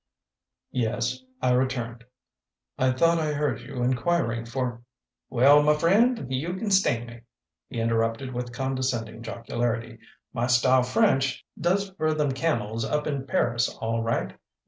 "Yes," I returned. "I thought I heard you inquiring for " "Well, m' friend, you can sting me!" he interrupted with condescending jocularity. "My style French does f'r them camels up in Paris all right.